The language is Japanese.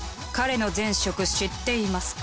彼の前職知っていますか？